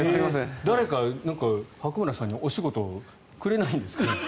誰か白村さんにお仕事くれないんですかね。